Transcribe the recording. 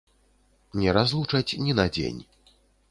Не разлучаць ні на дзень.